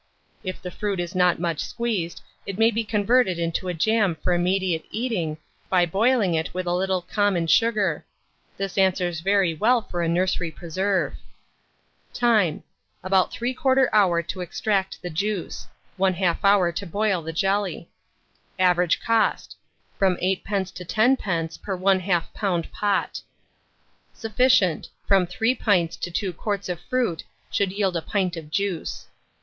If the fruit is not much squeezed, it may be converted into a jam for immediate eating, by boiling it with a little common sugar: this answers very well for a nursery preserve. Time. About 3/4 hour to extract the juice; 1/2 hour to boil the jelly. Average cost, from 8d. to 10d. per 1/2 lb. pot. Sufficient. From 3 pints to 2 quarts of fruit should yield a pint of juice.